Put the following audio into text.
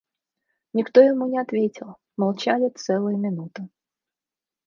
Никто ему не ответил; молчали целую минуту.